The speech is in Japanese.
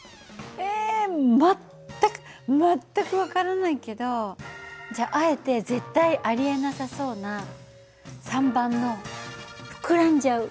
え全く全く分からないけどじゃああえて絶対ありえなさそうな３番の膨らんじゃう。